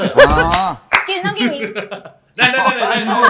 กินต้องกินอีก